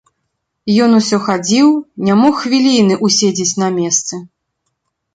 Ён усё хадзіў, не мог хвіліны ўседзець на месцы.